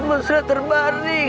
kamu sudah terbaring